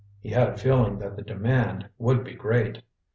He had a feeling that the demand would be great.